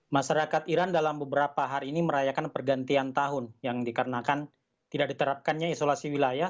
masyarakat iran dalam beberapa hari ini merayakan pergantian tahun yang dikarenakan tidak diterapkannya isolasi wilayah